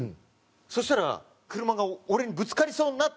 そしたら車が俺にぶつかりそうになったっていう。